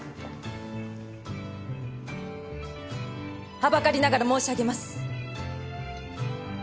はばかりながら申し上げます。